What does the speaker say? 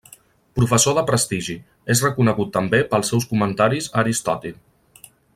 Professor de prestigi, és reconegut també pels seus comentaris a Aristòtil.